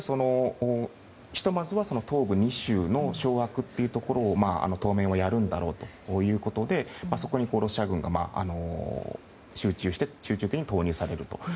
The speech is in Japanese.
ひとまずは東部２州の掌握というところを当面はやるんだろうということでそこにロシア軍が集中的に投入されると。